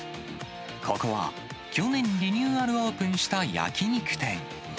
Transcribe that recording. ここは、去年リニューアルオープンした焼き肉店。